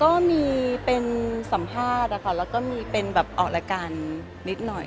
ก็มีเป็นสัมภาษณ์นะคะแล้วก็มีเป็นแบบออกรายการนิดหน่อย